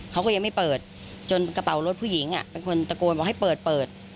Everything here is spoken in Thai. เขาก็ยังไม่เปิดจนกระเป๋ารถผู้หญิงเป็นคนตะโกนบอกให้เปิดเปิด